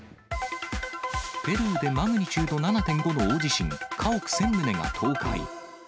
ペルーでマグニチュード７．５の大地震、家屋１０００棟が倒壊。